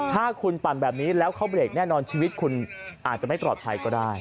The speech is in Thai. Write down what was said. ถ้าคุณปั่นแบบนี้แล้วเขาเบรกแน่นอนชีวิตคุณอาจจะไม่ปลอดภัยก็ได้